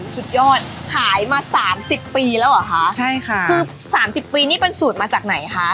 สุดยอดขายมาสามสิบปีแล้วเหรอคะใช่ค่ะคือสามสิบปีนี่เป็นสูตรมาจากไหนคะ